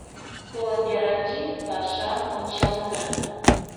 Кооператив пашам ончалына.